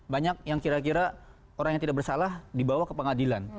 banyak yang kira kira orang yang tidak bersalah dibawa ke pengadilan